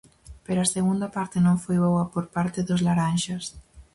Pero a segunda parte non foi boa por parte dos laranxas.